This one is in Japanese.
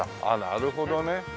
なるほどね。